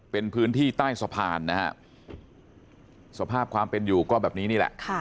เป็นพื้นที่ใต้สะพานนะฮะสภาพความเป็นอยู่ก็แบบนี้นี่แหละ